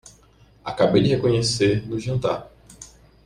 Acabei de conhecer no jantar